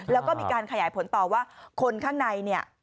แล้วก็มีการขยายผลต่อว่าคนข้างในเนี่ย